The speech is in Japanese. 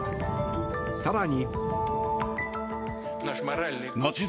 更に。